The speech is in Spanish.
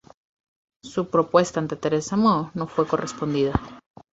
Su propuesta ante Teresa Mo no fue correspondida.